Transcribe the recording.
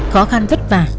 khó khăn vất vả